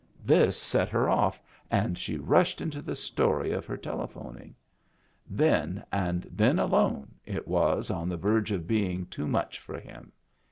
This set her off and she rushed into the story of her telephoning. Then, and then alone, it was on the verge of being too much for him.